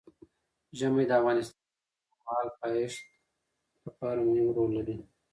ژمی د افغانستان د اوږدمهاله پایښت لپاره مهم رول لري.